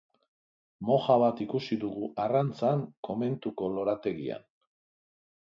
Moja bat ikusi dugu arrantzan komentuko lorategian.